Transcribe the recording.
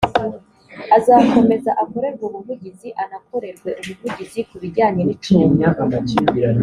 azakomeza akorerwe ubuvugizi anakorerwe ubuvugizi ku bijyanye n’icumbi